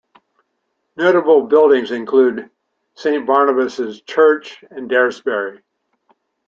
Notable buildings include Saint Barnabas Church and Daresbury.